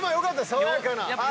爽やかな。